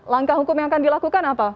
langkah hukum yang akan dilakukan apa